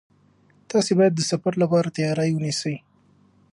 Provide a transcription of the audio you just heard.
تاسي باید د سفر لپاره تیاری ونیسئ.